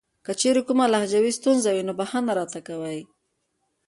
کچېرې کومه لهجوي ستونزه وي نو بښنه راته کوئ .